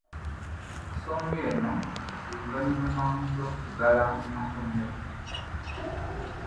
Ku nsonga eno, oluvannyuma lw'okuggala amasomero